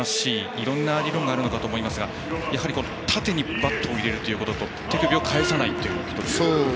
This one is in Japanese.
いろんな理論があるかと思いますがやはり、縦にバットを入れることと手首を返さないということで。